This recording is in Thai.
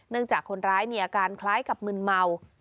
จากคนร้ายมีอาการคล้ายกับมึนเมา